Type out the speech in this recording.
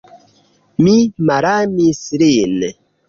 Mi malamis lin.